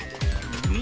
うん！